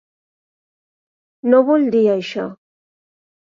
No vull dir això.